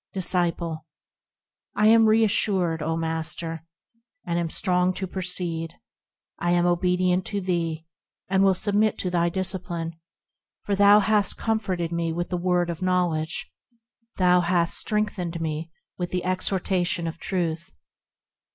Disciple. I am reassured, O Master ! and am strong to proceed : I am obedient to thee, and will submit to thy discipline, For thou hast comforted me with the word of knowledge ; Thou hast strengthened me with the exhortation of Truth.